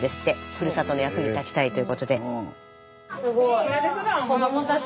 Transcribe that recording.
ふるさとの役に立ちたいということで。